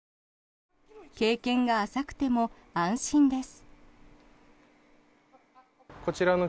経験が浅くても安心です。